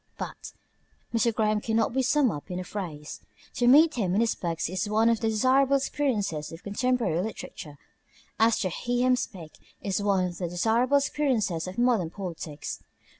But Mr. Graham cannot be summed up in a phrase. To meet him in his books is one of the desirable experiences of contemporary literature, as to hear him speak is one of the desirable experiences of modern politics.